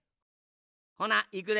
ほないくで。